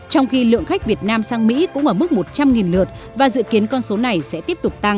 trong khi lượng khách việt nam sang mỹ cũng ở mức một trăm linh lượt và dự kiến con số này sẽ tiếp tục tăng